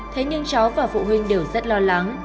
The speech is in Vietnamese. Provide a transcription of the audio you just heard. thế nhưng cháu và phụ huynh đều rất lo lắng